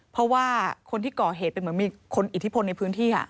เพราะว่าคนที่ก่อเหตุเป็นเหมือนมีคนอิทธิพลในพื้นที่